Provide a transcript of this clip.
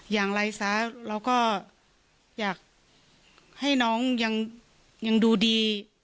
อย่างไรซะเราก็อยากให้น้องยังดูดี